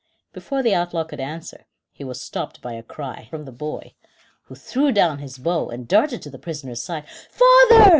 Before the outlaw could answer; he was stopped by a cry: from the boy, who threw down his bow and darted to the prisoner's side. "Father!"